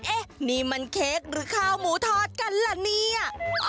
เอ๊ะนี่มันเค้กหรือข้าวหมูทอดกันล่ะเนี่ย